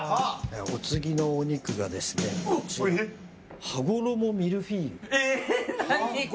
お次のお肉がですね羽衣ミルフィーユです。